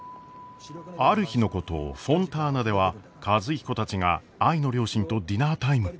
ある日のことフォンターナでは和彦たちが愛の両親とディナータイム。